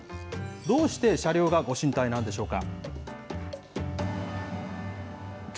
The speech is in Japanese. どうして車両がご神体なんでしょうか。